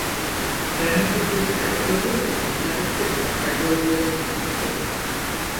გრამატიკული კატეგორიები უმთავრესად ნაწარმოებია სუფიქსებით.